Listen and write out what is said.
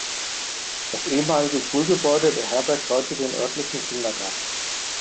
Das ehemalige Schulgebäude beherbergt heute den örtlichen Kindergarten.